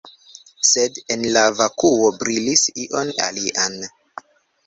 Sed, el la vakuo brilis ion alian.